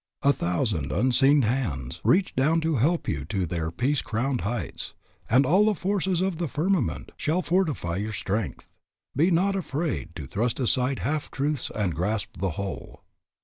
A thousand unseen hands Reach down to help you to their peace crowned heights, And all the forces of the firmament Shall fortify your strength. Be not afraid To thrust aside half truths and grasp the whole."